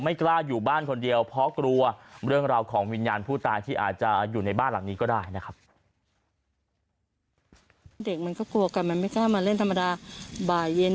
กล้าอยู่บ้านคนเดียวเพราะกลัวเรื่องราวของวิญญาณผู้ตายที่อาจจะอยู่ในบ้านหลังนี้ก็ได้นะครับ